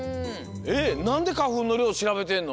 なんでかふんのりょうしらべてんの？